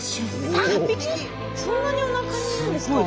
そんなにおなかにいるんですか？